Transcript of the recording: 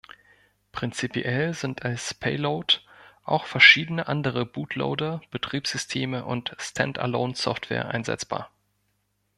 Prinzipiell sind als Payload auch verschiedene andere Bootloader, Betriebssysteme und Standalone-Software einsetzbar.